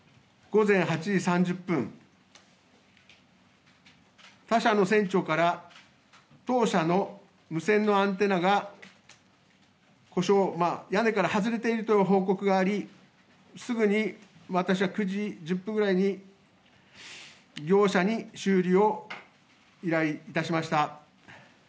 午前８時３０分、他社の船長から、当社の無線のアンテナが故障、屋根から外れているとの報告があり、すぐに私は９時１０分ぐらいに、業者に修理を依頼いたしました。